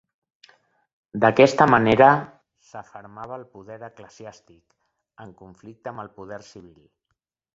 D'aquesta manera s'afermava el poder eclesiàstic, en conflicte amb el poder civil.